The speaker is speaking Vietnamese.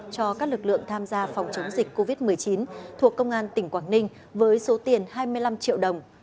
cho các lực lượng tham gia phòng chống dịch covid một mươi chín thuộc công an tỉnh quảng ninh với số tiền hai mươi năm triệu đồng